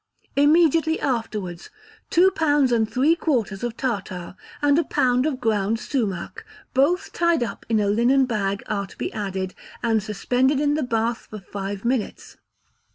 Immediately afterwards two pounds and three quarters of tartar, and a pound of ground sumach, both tied up in a linen bag, are to be added, and suspended in the bath for five minutes.